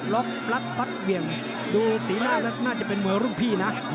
ล็อกรัดฟัดเหวี่ยงดูสีหน้าแล้วน่าจะเป็นมวยรุ่นพี่นะ